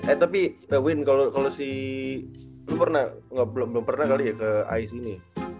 eh tapi win kalo si lo pernah belum pernah kali ya ke ais ini